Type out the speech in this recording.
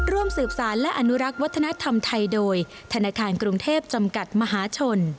ร่วมสืบสารและอนุรักษ์วัฒนธรรมไทยโดยธนาคารกรุงเทพจำกัดมหาชน